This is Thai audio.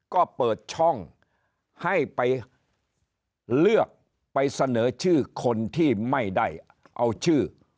ก็เปิดช่องให้ไปเลือกไปเสนอชื่อคนที่ไม่ได้เอาชื่อ